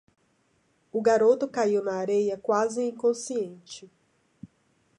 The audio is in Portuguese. O garoto caiu na areia quase inconsciente.